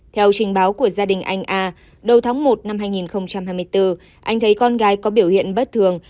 theo trình báo của gia đình anh a đầu tháng một năm hai nghìn hai mươi bốn anh thấy con gái có biểu hiện bất thường